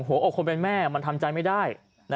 หัวอกคนเป็นแม่มันทำใจไม่ได้